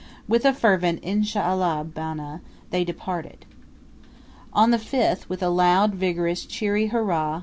With a fervent "Inshallah, bana," they departed. On the 5th, with a loud, vigorous, cheery "Hurrah!"